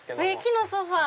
木のソファ！